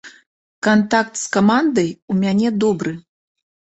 Кантакт з камандай у мяне добры.